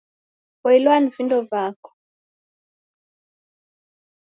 Poilwa ni vindo vako!